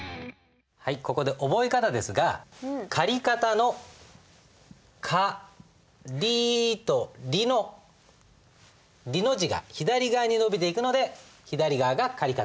ここで覚え方ですが借方の「かり」と「り」の字が左側に伸びていくので左側が借方。